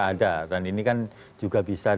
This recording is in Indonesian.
ada dan ini kan juga bisa